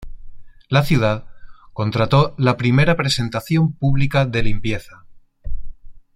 La ciudad contrató la primera presentación pública de limpieza.